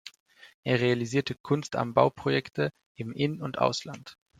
Er realisierte Kunst-am-Bau-Projekte im In- und Ausland.